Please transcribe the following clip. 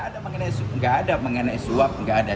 tidak ada mengenai suap tidak ada